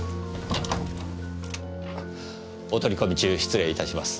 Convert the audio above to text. お取り込み中失礼いたします。